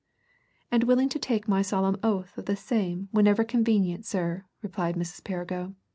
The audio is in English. "And willing to take my solemn oath of the same whenever convenient, sir," replied Mrs. Perrigo.